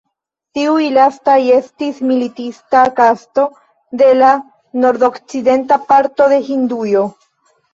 Tiuj lastaj estis militista kasto de la nordokcidenta parto de Hindujo.